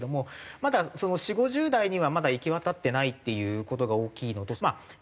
まだ４０５０代にはまだ行き渡ってないっていう事が大きいのとまあ４０代５０代